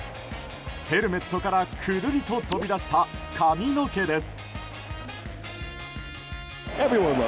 ヘルメットからくるりと飛び出した髪の毛です。